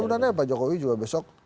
namun anda ya pak jokowi juga besok